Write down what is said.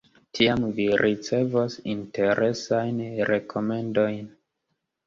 Tiam vi ricevos interesajn rekomendojn….